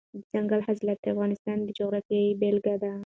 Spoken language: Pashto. دځنګل حاصلات د افغانستان د جغرافیې بېلګه ده.